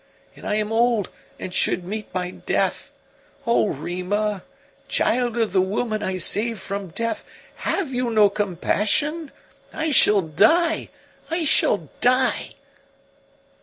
And I am old and should meet my death. Oh, Rima, child of the woman I saved from death, have you no compassion? I shall die, I shall die!"